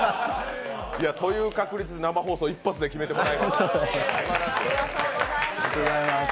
という確率で生放送で一発で決めてもらいましたのですばらしい。